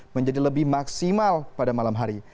menjadi lebih maksimal pada malam hari